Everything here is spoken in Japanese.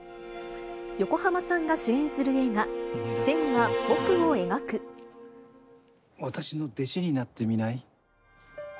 横浜さんが主演する映画、私の弟子になってみない？